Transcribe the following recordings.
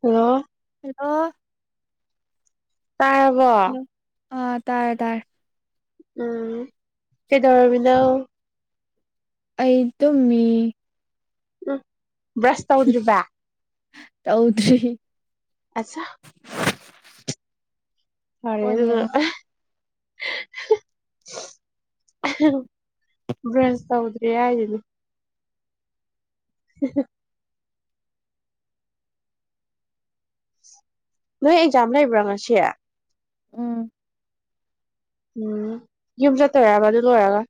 Hello! [unintelligible] ꯇꯥꯔꯕꯣ? Hello ꯑꯥ ꯇꯥꯔꯦ- ꯇꯥꯔꯦ꯫ ꯎꯝ ꯀꯩꯗꯧꯔꯝꯃꯤꯅꯣ? ꯑꯩ ꯇꯨꯝꯃꯤ꯫ [unintelligible] ꯕ꯭ꯔꯁ ꯇꯧꯗ꯭ꯔꯤꯕ? ꯇꯧꯗ꯭ꯔꯤ꯫ ꯑꯆꯥ! ꯐꯔꯦ ꯐꯣꯟ ꯑꯗꯨꯅ꯫ ꯌꯦꯡꯉ ꯕ꯭ꯔꯁ ꯇꯧꯗ꯭ꯔꯤ ꯍꯥꯏꯁꯤꯅꯦ [unintelligible] ꯅꯣꯏ ꯑꯦꯛꯖꯝ ꯂꯩꯕꯔꯥ ꯉꯁꯤ? ꯎꯝ ꯎꯝ ꯌꯨꯝꯆꯠ ꯇꯧꯔꯕꯥ ꯑꯗꯨ ꯂꯣꯌꯔꯥꯒꯥ?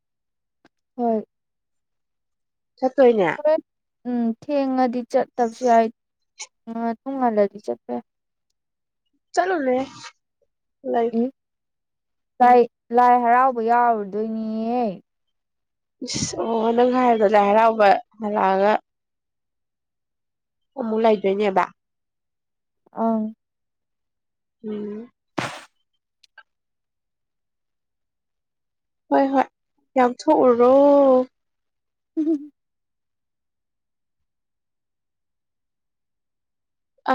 ꯍꯣꯏ꯫ ꯆꯠꯇꯣꯏꯅꯦ꯫ ꯍꯣꯔꯦꯟ ꯎꯝ ꯊꯦꯡꯉꯗꯤ ꯆꯠ ꯇꯕꯁꯨ ꯌꯥꯏ ꯑ ꯄꯨꯡ ꯉꯜꯂꯗꯤ ꯆꯠꯄ ꯌꯥꯏ꯫ ꯆꯂꯨꯅꯨꯍꯦ꯫ ꯂꯩꯥꯏ ꯌꯥꯏ ꯂꯥꯏ ꯂꯥꯏ ꯍꯔꯥꯎꯕ ꯌꯥꯎꯔꯨꯗꯣꯏꯅꯦꯌꯦ ꯏꯁ ꯑꯣ ꯅꯪ ꯍꯥꯏꯕꯗꯣ ꯂꯥꯏ ꯍꯔꯥꯎꯕ ꯂꯛꯑꯒ ꯑꯃꯃꯨꯛ ꯂꯥꯏꯗ꯭ꯔꯣꯏꯅꯦꯕꯥ ꯑꯥ ꯎꯝ ꯍꯣꯏ ꯍꯣꯏ ꯌꯥꯑꯣ ꯊꯣꯛꯎꯨꯔꯣ ꯎꯝ ꯑ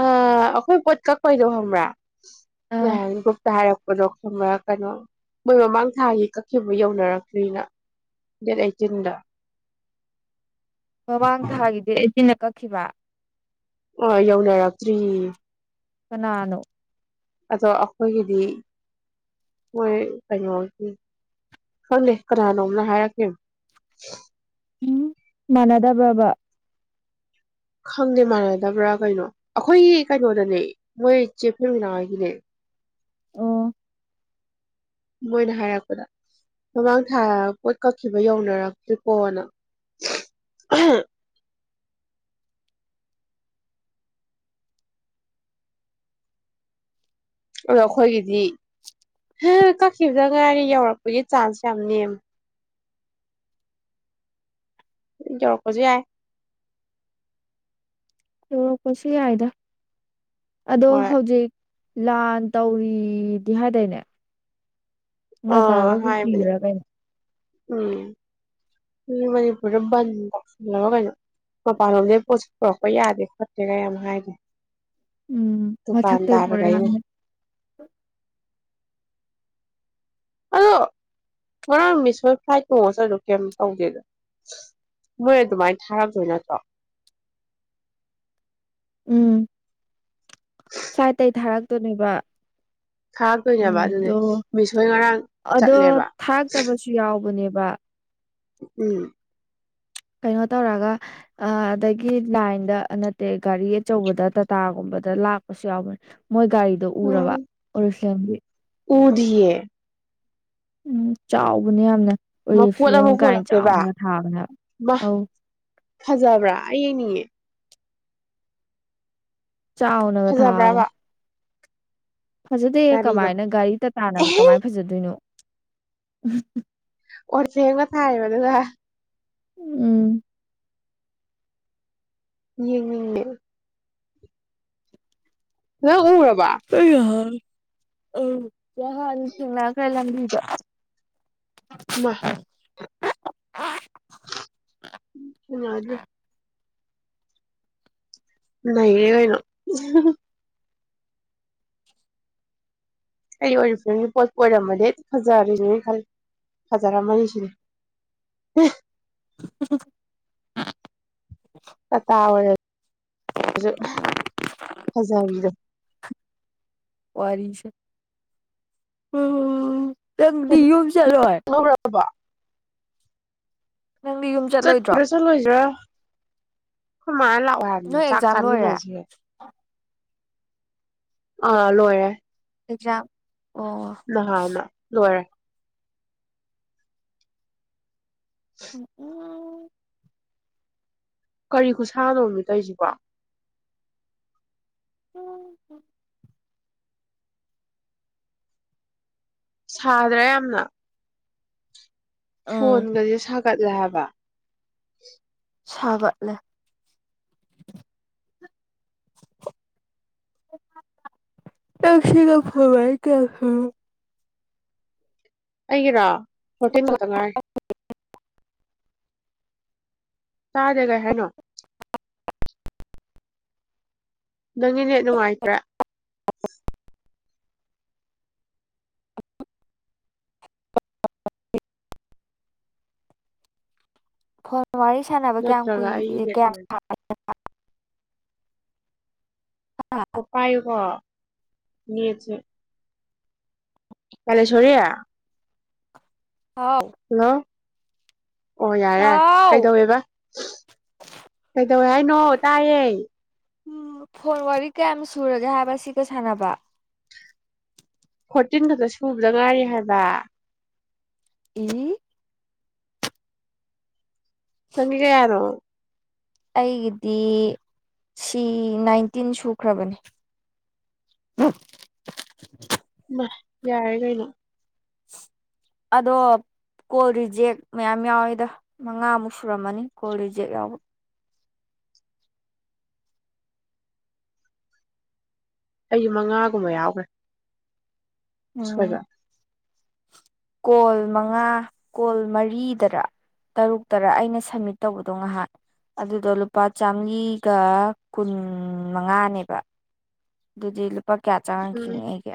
ꯑꯩꯈꯣꯏ ꯄꯣꯠ ꯀꯛꯄꯣꯏꯗꯣ ꯍꯕ꯭ꯔꯥ [unintelligible] ꯑꯥ ꯒꯔꯨꯞ ꯍꯥꯏꯔꯞ [unintelligible] ꯀꯩꯅꯣ ꯃꯣꯏ ꯃꯃꯥꯡ ꯊꯥꯒꯤ ꯀꯛꯈꯤꯕ ꯌꯧꯅꯔꯛꯇ꯭ꯔꯤꯅ ꯗꯦꯠ ꯑꯩꯠꯇꯤꯟꯗ ꯃꯃꯥꯡ ꯊꯥꯒꯤ ꯗꯦꯠ ꯑꯩꯏꯇꯤꯟ ꯗ ꯀꯥꯛ ꯈꯤꯕ ꯑ ꯌꯧꯅꯔꯛꯇ꯭ꯔꯤ ꯀꯅꯥꯅꯣ ꯑꯗꯣ ꯑꯩꯈꯣꯏꯒꯤꯗꯤ ꯃꯣꯏ ꯀꯩꯅꯣꯒꯤ ꯈꯪꯗꯦ ꯀꯅꯥꯅꯣꯝꯅ ꯍꯥꯏꯔꯛ ꯀꯔꯤꯝ ꯎꯝ ꯃꯥꯟꯅꯗꯕ꯭ꯔꯕ ꯈꯪꯗꯦ ꯃꯥꯟꯅꯗꯕ꯭ꯔꯥ ꯀꯩꯅꯣ ꯑꯩꯈꯣꯏꯒꯤ ꯀꯩꯅꯣꯗꯅꯦ ꯃꯣꯏ ꯆꯦꯐꯦꯝꯃꯤꯅꯥꯒꯤꯅꯦ ꯑꯣ ꯃꯣꯏꯅ ꯍꯥꯏꯔꯛꯄꯗ ꯃꯃꯥꯡ ꯊꯥ ꯄꯣꯠ ꯀꯛꯈꯤꯕ ꯌꯧꯅꯔꯛꯇ꯭ꯔꯤ ꯄꯣꯇꯥ ꯑꯗꯣ ꯑꯩꯈꯣꯏꯒꯤꯗꯤ ꯀꯛꯈꯤꯕꯗ ꯉꯥꯏꯒꯤ ꯌꯧꯔꯛꯄꯒꯤ ꯆꯥꯟꯁ ꯌꯥꯝ ꯅꯦꯃꯤ ꯌꯔ ꯄꯥꯁꯨꯌꯥꯏ ꯌꯧꯔꯛꯄꯁꯨ ꯌꯥꯏꯗꯥ ꯑꯗꯣ ꯍꯣꯏ ꯍꯧꯖꯤꯛ ꯂꯥꯟ ꯇꯧꯔꯤꯗꯤ ꯍꯥꯏꯗꯣꯏꯅꯦ ꯅꯒꯥ ꯑꯥ ꯒꯥ ꯀꯨꯀꯤ ꯍꯥꯏꯕꯅꯦ ꯒꯔꯥ ꯀꯩꯅꯦ ꯎꯝ ꯃꯅꯤꯄꯨꯔꯗ ꯕꯥꯟ ꯅꯣꯋꯪ ꯀꯩꯅꯣ ꯃꯄꯥꯟꯂꯣꯝꯗꯩ ꯄꯣꯠꯁ ꯄꯨꯔꯛꯄ ꯌꯥꯗꯦ ꯈꯣꯠꯇꯦ ꯒꯥ ꯌꯥꯝ ꯍꯥꯏꯕꯥꯅꯤ ꯎꯝ ꯃꯊꯥꯛꯇꯥ ꯑꯣꯢꯔꯝꯅꯤ ꯑꯥ ꯉꯔꯥꯡ ꯃꯤꯁꯄꯦꯔ ꯐ꯭ꯂꯥꯏꯠ ꯇꯣꯡ ꯆꯥꯛꯔ ꯀꯩꯝ ꯇꯧꯗꯦꯗ ꯃꯣꯏ ꯑꯗꯨꯃꯥꯏꯅ ꯊꯥꯔꯗꯣꯏ ꯅꯠꯇ꯭ꯔꯣ ꯎꯝ ꯁꯥꯏꯇꯩ ꯊꯥꯔꯛꯇꯣꯏꯅꯦꯕ ꯊꯥꯛꯇꯣꯏꯅꯦꯕ ꯎꯝ ꯑꯗꯨꯅꯦ ꯑꯗꯣ ꯃꯤꯁ ꯍꯣꯌ ꯉꯔꯥꯡ ꯆꯠꯂꯦꯕ ꯕꯥ ꯎꯝ ꯀꯩꯅꯣ ꯇꯧꯔꯒ ꯑꯗꯒꯤ ꯂꯥꯏꯟꯗ ꯅꯠꯇꯦ ꯒꯥꯔꯤ ꯑꯆꯧꯕꯗ ꯇꯥꯇꯥꯒꯨꯝꯕꯗ ꯂꯥꯛꯄꯁꯨ ꯌꯥꯎꯕꯅꯤ ꯃꯣꯏ ꯒꯥꯔꯤꯗꯣ ꯎꯝ ꯎꯔꯕ ꯎꯔꯨꯁꯦꯝꯒꯤ ꯎꯗꯤꯌꯦ ꯎꯝ ꯆꯥꯎꯕꯅꯦ ꯌꯥꯝꯅ ꯃꯄꯣꯠ ꯑꯣꯂꯤꯞꯂꯝ ꯑꯃ ꯍꯥꯌꯅꯥ ꯄꯣꯠꯂꯛꯇꯣꯏꯕ ꯆꯥꯑꯣꯅꯥ ꯊꯕꯥꯅꯦ ꯍꯥꯏꯕꯥ ꯃꯥ ꯑꯣ ꯐꯖꯕ꯭ꯔꯥ ꯑꯩ ꯌꯦꯡꯅꯤꯡꯧ ꯆꯥꯎꯥꯅꯒ ꯐꯖꯕ꯭ꯔꯕ ꯊꯥꯕꯅꯦ ꯐꯖꯗꯦ ꯒꯥꯔꯤꯗꯣ ꯀꯃꯥꯏꯅ ꯒꯥꯔꯤ ꯇ ꯇꯥꯅꯕꯨ ꯑꯦꯍꯦ ꯀꯃꯥꯏꯅ ꯐꯖꯗꯣꯏꯅꯣ ꯎꯝ ꯑꯣꯔꯁꯕ ꯊꯥꯏꯌꯦꯕ ꯑꯗꯨꯒꯅ ꯎꯝ ꯌꯦꯉ ꯍ ꯎꯔꯕꯑꯣ ꯑ ꯅꯍꯥꯟ ꯊꯦꯡꯅꯒꯔꯦ ꯑ ꯁꯅꯗ꯭ꯔꯦ ꯅꯩꯔꯦ ꯀꯩꯅꯣ ꯑꯩ ꯑꯣꯏꯔꯤꯕ ꯐꯤꯂꯝꯒꯤ ꯄꯣꯠꯄꯨ ꯑꯣꯏꯔꯝꯃꯗꯤ ꯐꯖꯔꯤꯅꯦ ꯈꯜꯂꯤ ꯐꯖꯔꯝꯃꯅꯤ ꯁꯤꯅꯤ ꯑ ꯑꯋꯥ ꯇꯥꯖꯕꯤꯗꯣ ꯋꯥꯔꯤꯁꯦ ꯅꯪꯗꯤ ꯌꯨꯝꯕ ꯆꯂꯣꯏ ꯂꯧꯔꯕꯣ ꯌꯨꯝ ꯆꯠꯂꯣꯏꯗ꯭ꯔꯣ ꯆꯠꯄ꯭ꯔꯥ ꯆꯠꯂꯣꯏꯗ꯭ꯔꯥ ꯃꯅꯥ ꯂꯥꯛꯑꯣ ꯍꯥꯏꯕꯅꯤ ꯅꯣꯏ ꯆꯥꯛ ꯑꯦꯛꯖꯥꯝ ꯂꯣꯏꯔꯦ ꯆꯥꯃꯤꯟꯅꯁꯦ ꯑꯥ ꯂꯣꯏꯔꯦ ꯆꯥꯎ ꯂꯣꯏꯔꯦ ꯎ ꯎ ꯀꯔꯤ ꯈꯨ ꯁꯥꯥꯅꯣꯅꯦ ꯇꯧꯁꯤꯕꯣ ꯎꯝ ꯁꯥꯗ꯭ꯔꯥ ꯌꯥꯝꯅ ꯎꯝ ꯐꯣꯟꯒ ꯁꯥꯒꯦꯠꯂꯦ ꯍꯥꯌꯕꯥ ꯁꯒꯦꯠꯂꯦ ꯑꯩꯒꯤꯔꯥ ꯐꯣꯇꯤꯟ ꯈꯛꯇꯥ ꯉꯥꯏꯔꯤ ꯇꯥꯗꯦ ꯀꯩ ꯍꯥꯏꯅꯣ ꯅꯪꯒꯤ ꯅꯦꯠ ꯅꯨꯡꯉꯥꯏꯇ꯭ꯔꯦ ꯐ ꯋꯥꯔꯤ ꯁꯥꯟꯅꯕ ꯀꯌꯥꯝ ꯅꯠꯇ꯭ꯔꯒ ꯀꯨꯏ ꯑꯩꯒꯤ ꯅꯦꯠ ꯀꯌꯥꯝ ꯅꯨꯡꯉꯥꯏꯇ꯭ꯔꯦꯀꯣ ꯁꯥ ꯈꯣ ꯄꯥꯏꯌꯨꯀꯣ ꯅꯦꯠꯁꯦ ꯀꯂ ꯁꯣꯔꯤ ꯍꯥꯎ ꯑꯣ ꯌꯥꯔꯦꯔꯦ ꯍꯥꯎ ꯀꯩꯗꯧꯋꯦꯕ ꯀꯩꯗꯧꯋꯦ ꯍꯥꯏꯅꯣ ꯇꯥꯏꯌꯦ ꯎꯝ ꯐꯣꯟ ꯋꯥꯔꯤ ꯀꯌꯥꯃ ꯁꯨꯔꯒꯦ ꯍꯥꯏꯕ ꯁꯤꯒ ꯁꯥꯟꯅꯕ ꯐꯣꯔꯇꯤꯟ ꯈꯛꯇ ꯁꯨꯕꯗ ꯉꯥꯏꯔꯤ ꯍꯥꯏꯕ ꯏ ꯆꯪꯒꯤ ꯀꯌꯥꯅꯣ ꯑꯩꯒꯤꯗꯤ ꯁꯤ ꯅꯥꯏꯟꯇꯤꯟ ꯁꯨꯈ꯭ꯔꯕꯅꯦ ꯏꯃꯥꯏ ꯌꯥꯔꯦ ꯀꯩꯅꯣ ꯑꯗꯣ ꯀꯣꯜ ꯔꯤꯖꯦꯛ ꯃꯌꯥꯝ ꯌꯥꯎꯋꯤꯗ ꯃꯉꯥꯃꯨꯛ ꯁꯨꯔꯝꯃꯅꯤ ꯀꯣꯜ ꯔꯤꯖꯦꯛ ꯌꯥꯎꯕ ꯑꯩꯁꯨ ꯃꯉꯥꯒꯨꯝꯕ ꯌꯥꯎꯈ꯭ꯔꯦ ꯎꯝ ꯁꯣꯏꯕ ꯀꯣꯜ ꯃꯉꯥ ꯀꯣꯜ ꯃꯔꯤꯗꯔ ꯇꯔꯨꯛꯇꯔꯥ ꯑꯩꯅ ꯁꯝꯃꯤꯠ ꯇꯧꯕꯗꯣ ꯉꯥꯍꯥꯛ ꯑꯗꯨꯗꯣ ꯂꯨꯄꯥ ꯆꯥꯝꯔꯤꯒ ꯀꯨꯟ ꯃꯉꯥꯅꯦꯕ ꯑꯗꯨꯗꯤ ꯂ ꯄ ꯀꯌꯥ ꯎꯝ ꯆꯪꯉꯛꯈꯤꯅꯤ ꯑꯩꯒ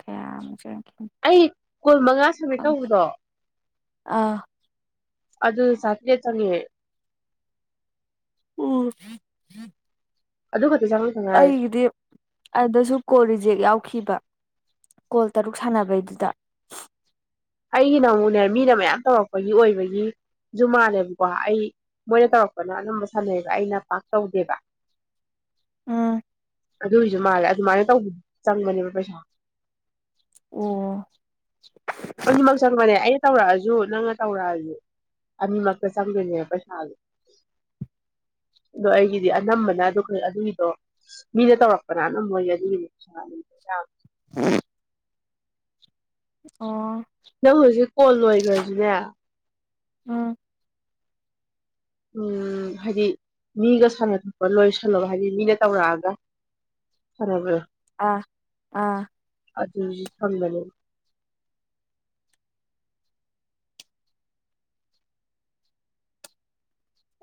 ꯀꯌꯥꯃꯨꯛ ꯆꯡ ꯑꯩ ꯀꯨꯜ ꯃꯉꯥ ꯁꯨꯃꯤꯠ ꯇꯧꯕꯗꯣ ꯑꯥ ꯑꯗꯨ ꯆꯥꯇꯔ꯭ꯦꯠ ꯆꯪꯉꯦ ꯎꯝ ꯑꯗꯨ ꯈꯛ ꯑꯩꯒꯤꯗꯤ ꯑꯗꯁꯨ ꯀꯣꯔꯤꯖꯦꯛ ꯌꯥꯎ ꯍꯧꯈꯤꯕ ꯀꯣꯜ ꯇꯔꯨꯛ ꯁꯥꯟꯅꯕꯩꯗꯨꯗ ꯑꯩꯒꯤꯅ ꯑꯃꯨꯛꯅꯦ ꯃꯤꯅ ꯃꯌꯥꯝ ꯇꯧꯔꯛꯄꯒꯤ ꯑꯣꯏꯕꯒꯤꯁꯨ ꯃꯥꯜꯂꯦꯕꯀꯣ ꯑꯩ ꯃꯣꯏꯅ ꯇꯧꯔꯛꯄꯅ ꯑꯗꯨꯝꯕ ꯁꯥꯟꯅꯩꯑꯕ ꯑꯩꯅ ꯄꯥꯛ ꯇꯧꯗꯦꯕ ꯎꯝ ꯑꯗꯨꯒꯤꯁꯨ ꯃꯥꯜꯂꯦ ꯑꯗꯨꯃꯥꯏꯅ ꯇꯧꯕ ꯆꯪꯒꯅꯦꯕ ꯄꯩꯁꯥ ꯑꯣ ꯑꯅꯤꯃꯛ ꯆꯪꯕꯅꯦ ꯑꯩꯅ ꯇꯧꯔꯛꯑꯁꯨ ꯅꯪꯅ ꯇꯧꯔꯛꯑꯁꯨ ꯑꯅꯤꯃꯛꯇ ꯆꯪꯗꯣꯏꯅꯦꯕ ꯄꯩꯁꯥꯗꯣ ꯑꯗꯣ ꯑꯩꯒꯤꯗꯤ ꯑꯅꯝꯕꯅ ꯑꯗꯨꯈꯛ ꯑꯗꯨꯒꯤꯗꯣ ꯃꯤꯅ ꯇꯧꯔꯛꯄꯅ ꯑꯅꯝꯕ ꯑꯣꯏꯒꯤ ꯑꯗꯨꯒꯤꯗꯣ ꯄꯩꯁꯥ ꯌꯥꯝ ꯑꯣ ꯅꯪ ꯍꯧꯖꯤꯛ ꯀꯣꯜ ꯂꯣꯏꯈ꯭ꯔꯁꯨꯅꯦ ꯑꯝ ꯎꯝ ꯍꯥꯏꯗꯤ ꯃꯤꯒ ꯁꯥꯟꯅꯊꯣꯄ ꯂꯣꯏ ꯁꯜꯂ ꯍꯥꯏꯗꯤ ꯃꯤꯅ ꯇꯧꯔꯛꯑꯒ ꯁꯥꯟꯅꯕꯗꯣ ꯑꯥ ꯑꯥ ꯑꯗꯨꯖꯨ ꯊꯝꯒꯅꯣ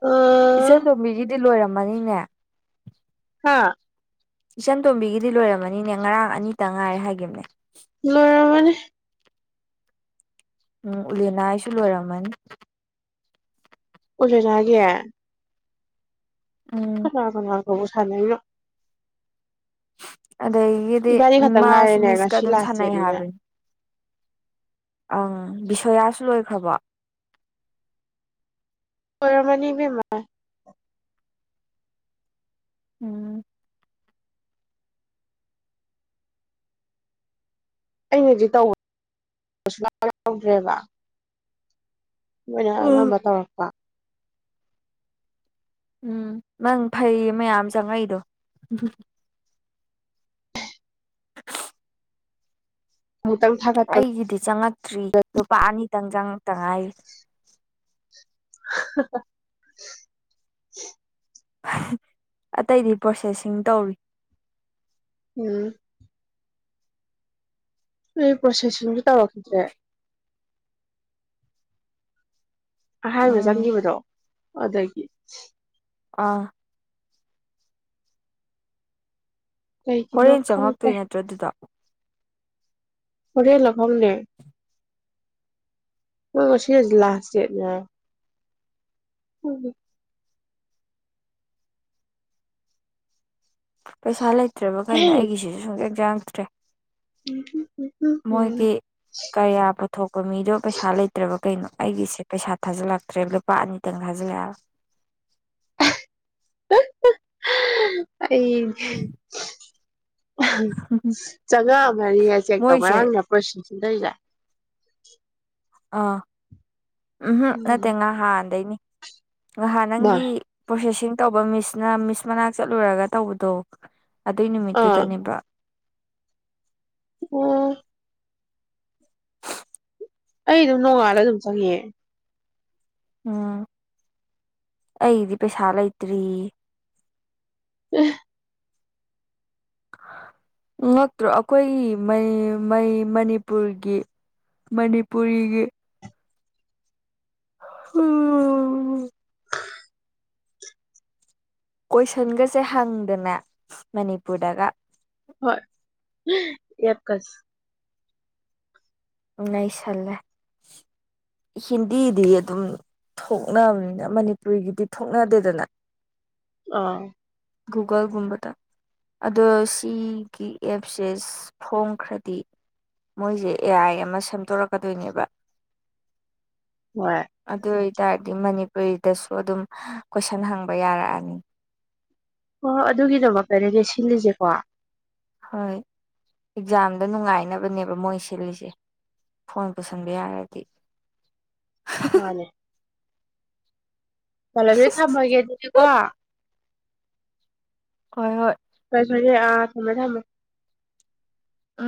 ꯑꯣ ꯏꯆꯦꯟ ꯇꯣꯝꯕꯤꯒꯤꯗꯤ ꯂꯣꯏꯔꯝꯃꯅꯤꯅꯦ ꯍꯥꯥ ꯏꯆꯟ ꯇꯣꯝꯕꯤꯒꯤꯗꯤ ꯂꯣꯏꯔꯝꯃꯅꯤꯅꯦ ꯉꯔꯥꯡ ꯑꯅꯤꯇ ꯉꯥꯏꯔꯦ ꯍꯥꯏꯈꯤꯕꯅꯦ ꯂꯣꯏꯔꯃꯅꯦ ꯎꯝ ꯎꯂꯅꯥꯁꯨ ꯂꯣꯏꯔꯝꯃꯅꯤ [unintelligible] ꯎꯝ [unintelligible] [unintelligible] ꯑꯗꯒꯤꯗꯤ ꯏꯕꯥꯅꯤ ꯈꯛꯇꯪ ꯃꯥꯁꯨ ꯉꯥꯏꯔꯦꯅꯦ ꯃꯤꯁꯀ ꯉꯁꯤ ꯑꯗꯨꯝ ꯂꯥꯁ ꯁꯥꯟꯅꯩ ꯗꯦꯠꯅꯤꯅ ꯍꯥꯏꯕꯅꯤ ꯑꯪ ꯕꯤꯁꯣꯌꯥꯁꯨ ꯂꯣꯏꯈ꯭ꯔꯕ? ꯂꯣꯏꯔꯝ ꯃꯅꯤ ꯕꯤꯃꯥ ꯎꯝ꯫ ꯑꯩꯅꯗꯤ ꯇꯧꯕ ꯌꯥꯗ꯭ꯔꯦꯕ ꯃꯣꯏꯅ ꯎꯝ ꯑꯥꯉꯝꯕ ꯇꯧꯔꯛꯄꯥ ꯎꯝ ꯅꯪ ꯐꯩ ꯃꯌꯥꯝ ꯆꯪꯉꯛꯏꯗꯣ ꯑꯃꯨꯛꯇꯪ ꯊꯥꯒꯠꯄ ꯑꯩꯒꯤꯗꯤ ꯆꯪꯉꯛꯇ꯭ꯔꯤ ꯂꯨꯄꯥ ꯑꯅꯤ ꯇꯪꯖꯪ ꯉꯥꯛꯇ ꯉꯥꯏꯔꯤ꯫ [unintelligible] ꯑꯇꯩꯗꯤ ꯄ꯭ꯔꯣꯁꯦꯁꯤꯡ ꯇꯧꯔꯤ ꯫ ꯎꯝ꯫ ꯄ꯭ꯔꯁꯦꯁꯤꯡ ꯇꯔꯛ ꯈꯤꯗ꯭ꯔꯦ꯫ ꯑꯍꯥꯟꯕ ꯎꯝ ꯆꯪꯈꯤꯕꯗꯣ ꯑꯗꯒꯤ ꯑꯥ꯫ ꯀꯩꯒꯤꯅꯣ ꯍꯣꯔꯦꯟ ꯈꯪꯗꯦ ꯆꯪꯉꯛꯇꯣꯏ ꯅꯠꯇ꯭ꯔꯗꯨꯗꯣ? ꯍꯣꯔꯦꯟ ꯂꯥ ꯈꯪꯗꯦ꯫ ꯍꯣꯏ ꯉꯁꯤ ꯂꯥꯁꯇ꯭ ꯗꯦꯠꯅꯤ ꯍꯥꯏꯌꯦ꯫ [unintelligible] ꯄꯩꯁꯥ ꯂꯩꯇ꯭ꯔꯕ ꯀꯩꯅꯣ ꯑꯩꯒꯤꯁꯤꯁꯨ ꯁꯨꯡꯆꯪ ꯆꯥꯡ ꯇꯔ꯭ꯦ ꯃꯣꯏꯒꯤ ꯀꯔꯤꯌꯥ ꯄꯨꯊꯣꯛꯄ ꯃꯤꯗꯣ ꯄꯩꯁꯥ ꯂꯩꯇ꯭ꯔꯕ ꯀꯩꯅꯣ ꯑꯩꯒꯤꯁꯦ ꯄꯩꯁꯥ ꯊꯥꯖꯤꯜꯂꯛꯇ꯭ꯔꯦ ꯂꯨꯄꯥ ꯑꯅꯤꯇꯪ ꯊꯥꯖꯤꯜꯂꯛꯑꯕ [unintelligible] ꯑꯩ ꯆꯥꯉꯥ ꯑꯃꯅꯤꯅꯤ ꯍꯥꯏ ꯆꯦꯛ ꯇꯧ ꯃꯣꯏꯁꯦ ꯉꯔꯥꯡꯅ ꯄ꯭ꯔꯣꯁꯁ [unintelligible] ꯑꯥ꯫ ꯎꯝꯍꯝ ꯅꯠꯇꯦ ꯉꯥ ꯍꯥꯟꯗꯩꯅꯤ꯫ ꯉꯍꯥ ꯃꯥ ꯅꯪꯒꯤ ꯄ꯭ꯔꯣꯁꯦꯁꯤꯡ ꯇꯧꯕ ꯃꯤꯁꯅ ꯃꯤꯁ ꯃꯅꯥꯛ ꯆꯠꯂꯨꯔꯒ ꯇꯧꯕꯗꯣ ꯑꯗꯨꯏ ꯑꯥ ꯅꯨꯃꯤꯠꯇꯨꯗꯅꯦꯕ ꯑꯣ꯫ ꯑꯩ ꯑꯗꯨꯝ ꯅꯣꯡꯉꯥꯜꯂ ꯑꯗꯨꯝ ꯆꯪꯉ ꯎꯝ ꯑꯩꯗꯤ ꯄꯩꯁꯥ ꯂꯩꯇ꯭ꯔꯤ ꯎꯝ ꯉꯛꯇ꯭ꯔꯣ ꯑꯩꯈꯣꯏꯒꯤꯩ ꯃꯅꯤꯄꯨꯔꯒꯤ ꯃꯅꯤꯄꯨꯔꯤꯒꯤ ꯎꯝ ꯀꯣꯏꯁꯟꯒꯁꯦ ꯍꯪꯗꯅꯦ ꯃꯅꯤꯄꯨꯔꯗꯒ ꯍꯣꯏ ꯑꯦꯕꯀꯥꯁ ꯉꯥꯏꯁꯜꯂꯦ ꯍꯤꯟꯗꯤꯗꯤ ꯑꯗꯨꯝ ꯊꯣꯛꯅꯕꯅꯤꯅ ꯃꯅꯤꯄꯨꯔꯤꯒꯤꯗꯤ ꯊꯣꯛꯅꯗꯦꯗꯅ ꯑꯥ ꯒꯨꯒꯜꯒꯨꯝꯕꯗ ꯑꯗꯣ ꯁꯤꯒꯤ ꯑꯦꯞꯁꯦ ꯐꯣꯡꯈ꯭ꯔꯗꯤ ꯃꯣꯏꯁꯦ ꯑꯦ ꯑꯥꯏ ꯑ ꯑꯃ ꯁꯦꯝꯗꯣꯔꯛꯀꯗꯣꯏꯅꯦꯕ ꯍꯣꯏ ꯑꯗ ꯍꯥꯏꯇꯥꯔꯗꯤ ꯃꯅꯤꯄꯨꯔꯤꯗꯁꯨ ꯑꯗꯨꯝ ꯀꯣꯏꯁꯟ ꯍꯪꯕ ꯌꯥꯔꯛꯑꯅꯤ ꯍꯣꯏ ꯍꯣꯏ ꯑꯗꯨꯒꯤꯗꯃꯛꯇꯩꯅꯅꯦ ꯁꯤꯜꯂꯤꯁꯦꯀꯣ ꯍꯣꯏ ꯑꯦꯛꯖꯥꯝꯗ ꯅꯨꯡꯉꯥꯏꯅꯕꯅꯦꯕ ꯃꯣꯏ ꯁꯤꯜꯂꯤꯁꯦ ꯐꯣꯟ ꯄꯨꯁꯟꯕ ꯌꯥꯔꯗꯤ ꯃꯥꯅꯦ ꯀꯜꯂ ꯑꯗꯨ ꯊꯝꯃꯒꯦ ꯑꯗꯨꯗꯤ ꯀꯣ ꯍꯣꯏ ꯍꯣꯏ ꯀꯩꯁꯦ ꯑꯥ ꯊꯝꯃꯦ ꯊꯥꯡꯃꯦ ꯎꯝ